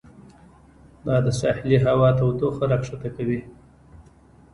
دا د ساحلي هوا تودوخه راښکته کوي.